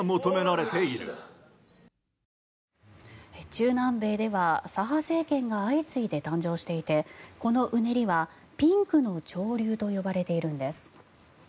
中南米では左派政権が相次いで誕生していてこのうねりはピンクの潮流と呼ばれているんです。